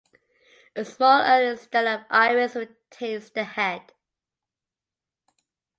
A small early study of "Iris" retains the head.